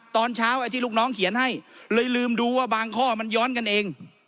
ตอนเช้าไอ้ที่ลูกน้องเขียนให้เลยลืมดูว่าบางข้อมันย้อนกันเอง